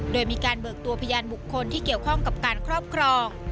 โดยมีการเบิกตัวพยานบุคคลที่เกี่ยวข้องกับการครอบครอง